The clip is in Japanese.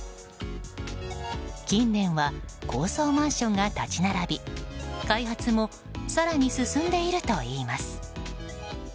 近年は高層マンションが立ち並び開発も更に進んでいるといいます。